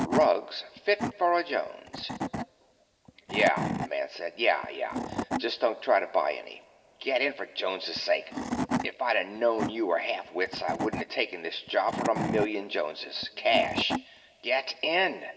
'Rugs Fit For a Jones'." "Yeah," the man said. "Yeah, yeah. Just don't try to buy any. Get in, for Jones' sake! If I'd of known you were half wits I wouldn't of taken this job for a million Joneses, cash. Get in!"